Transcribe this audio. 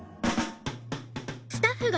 スタッフが。